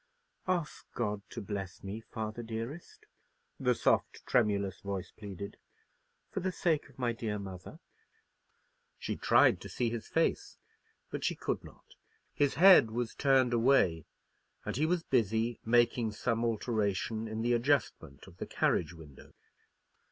"Ask God to bless me, father dearest," the soft, tremulous voice pleaded, "for the sake of my dead mother." She tried to see his face: but she could not. His head was turned away, and he was busy making some alteration in the adjustment of the carriage window.